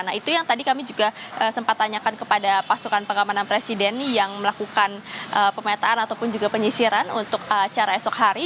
nah itu yang tadi kami juga sempat tanyakan kepada pasukan pengamanan presiden yang melakukan pemetaan ataupun juga penyisiran untuk acara esok hari